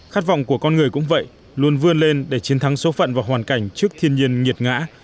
khát vọng của con người cũng vậy luôn vươn lên để chiến thắng số phận và hoàn cảnh trước thiên nhiên nhiệt ngã